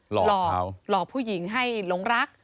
หลอกหลอกผู้หญิงให้หลงรัก